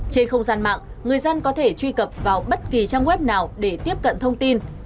trên không gian mạng người dân có thể truy cập vào bất kỳ trang web nào để tiếp cận thông tin